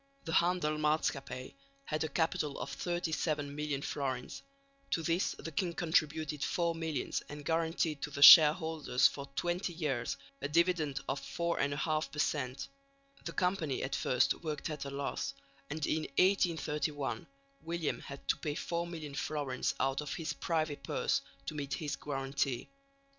The Handekmaatschappij had a capital of 37 million florins; to this the king contributed four millions and guaranteed to the shareholders for 20 years a dividend of 4 1/2 per cent. The Company at first worked at a loss, and in 1831 William had to pay four million florins out of his privy purse to meet his guarantee.